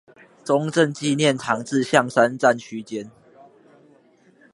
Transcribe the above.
中正紀念堂至象山站區間